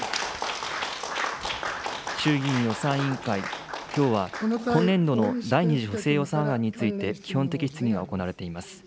衆議院予算委員会、きょうは今年度の第２次補正予算案について、基本的質疑が行われています。